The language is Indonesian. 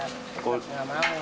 kita gak mau